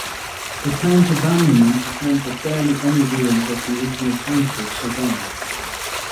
The town's abandonment has meant that barely any ruins of the original township survive.